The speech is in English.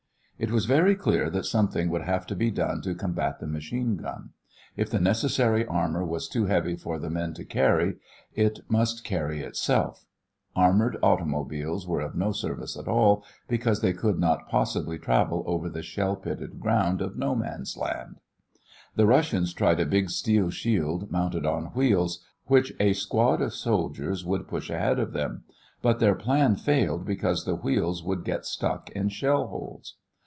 It was very clear that something would have to be done to combat the machine gun. If the necessary armor was too heavy for the men to carry, it must carry itself. Armored automobiles were of no service at all, because they could not possibly travel over the shell pitted ground of No Man's Land. The Russians tried a big steel shield mounted on wheels, which a squad of soldiers would push ahead of them, but their plan failed because the wheels would get stuck in shell holes.